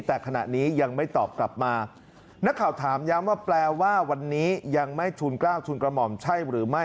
แต่ขณะนี้ยังไม่ตอบกลับมานักข่าวถามย้ำว่าแปลว่าวันนี้ยังไม่ทุนกล้าวทุนกระหม่อมใช่หรือไม่